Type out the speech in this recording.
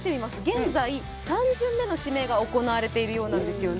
現在３巡目の指名が行われているようなんです。